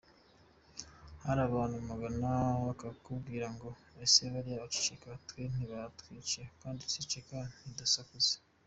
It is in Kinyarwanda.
Hari abantu muganira bakakubwira ngo « ese bariya bacecetse, twese ntibatwiciye kandi tugaceceka ntidusakuze?